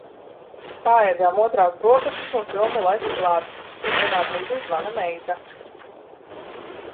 Paēdām otrās brokastis un filmu laiks klāt. Vienā brīdī zvana meita.